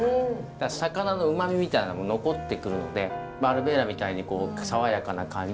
魚のうまみみたいなのも残ってくるのでバルベーラみたいに爽やかな感じ。